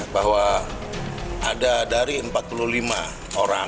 bahwa ada dari empat puluh lima orang